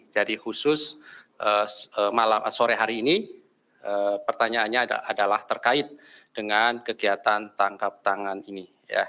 jadi khusus sore hari ini pertanyaannya adalah terkait dengan kegiatan tangkap tangan ini